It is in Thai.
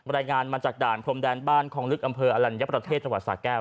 รายงานมาจากด่านพรมแดนบ้านคองลึกอำเภออลัญญประเทศจังหวัดสาแก้ว